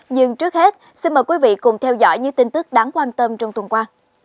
nhưng trước hết xin mời quý vị cùng theo dõi những tin tức đáng quan tâm trong tuần qua